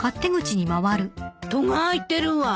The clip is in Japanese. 戸が開いてるわ。